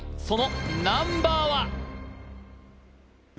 そのナンバーは？